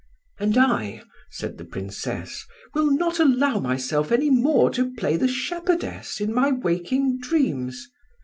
"And I," said the Princess, "will not allow myself any more to play the shepherdess in my waking dreams.